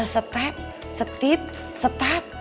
setep setip setat